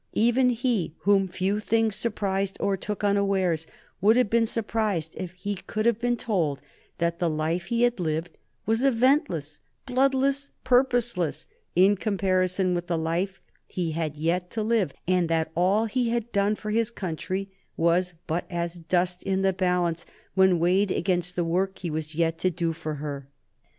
Even he whom few things surprised or took unawares would have been surprised if he could have been told that the life he had lived was eventless, bloodless, purposeless in comparison with the life he had yet to live, and that all he had done for his country was but as dust in the balance when weighed against the work he was yet to do for her.